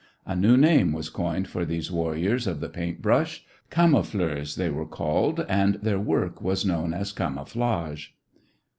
A new name was coined for these warriors of the paint brush: camoufleurs they were called, and their work was known as camouflage.